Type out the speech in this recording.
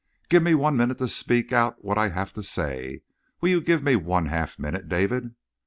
"Give me one minute to speak out what I have to say. Will you give me one half minute, David?"